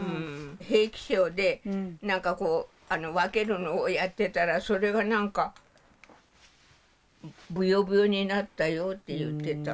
兵器廠で何かこう分けるのをやってたらそれが何かぶよぶよになったよって言ってた。